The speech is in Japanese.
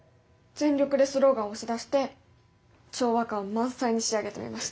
全力でスローガン押し出して調和感満載に仕上げてみました。